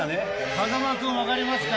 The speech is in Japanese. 風間君、分かりますか？